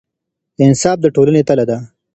انصاف د ټولنې تله ده.